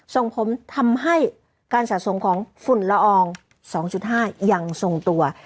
ส่งผลทำให้การสะสมของฝุ่นละออง๒๕ยังทรงตัว